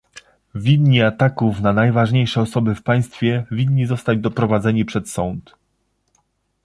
Winni ataków na najważniejsze osoby w państwie winni zostać doprowadzeni przed sąd